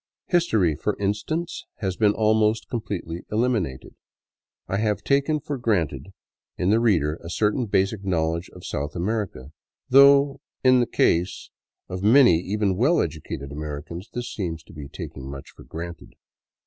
History, for instance, has been almost completely eliminated. I have taken for granted in the reader a certain basic knowledge of South America, though in the case of many even well educated Americans this seems to be taking much for granted.